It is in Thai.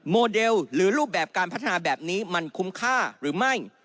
โมเดลหรือรูปแบบการพัฒนาแบบนี้มันคุ้มค่าหรือไม่